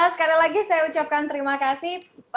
sekali lagi saya ucapkan terima kasih